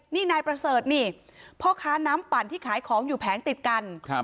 นี่นายประเสริฐนี่พ่อค้าน้ำปั่นที่ขายของอยู่แผงติดกัน